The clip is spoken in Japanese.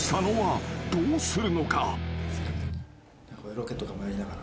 ロケとかもやりながら。